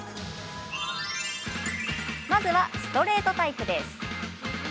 まずは、ストレートタイプです。